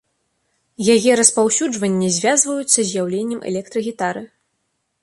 Яе распаўсюджванне звязваюць са з'яўленнем электрагітары.